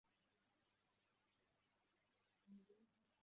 Ahantu h'imbere huzuye hagaragara ivugurura